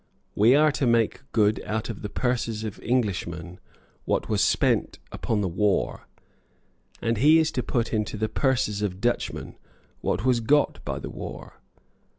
We are to make good out of the purses of Englishmen what was spent upon the war; and he is to put into the purses of Dutchmen what was got by the war."